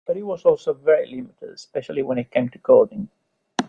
But it was also very limited, especially when it came to coding.